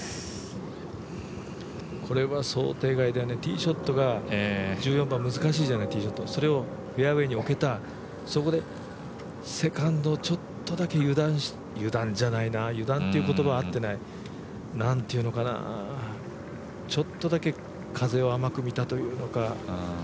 これは想定外だよね、ティーショットが１４番難しいじゃないそれをフェアウエーに置けたそこでセカンドちょっとだけ油断油断じゃないな、油断って言葉は合ってないちょっとだけ風を甘く見たというのか。